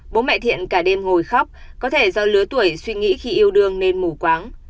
bố mẹ thiện cả đêm hồi khóc có thể do lứa tuổi suy nghĩ khi yêu đương nên mù quáng